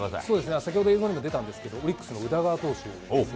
先ほど映像にも出たんですけど、オリックスの宇田川投手ですね。